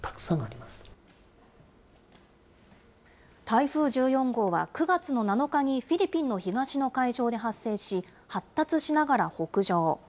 台風１４号は、９月の７日にフィリピンの東の海上で発生し、発達しながら北上。